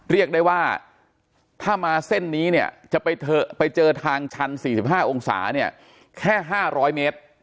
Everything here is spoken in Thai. เรียกได้ว่าถ้ามาเส้นนี้เนี่ยจะไปเจอทางชัน๔๕องศาเนี่ยแค่๕๐๐เมตร